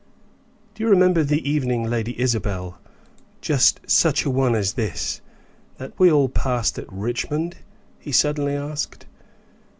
"Do you remember the evening, Lady Isabel, just such a one as this, that we all passed at Richmond?" he suddenly asked.